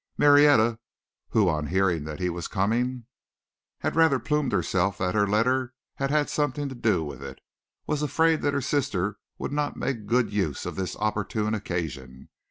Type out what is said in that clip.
Marietta, who on hearing that he was coming, had rather plumed herself that her letter had had something to do with it, was afraid that her sister would not make good use of this opportune occasion.